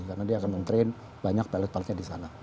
karena dia akan meng train banyak pilot pilotnya di sana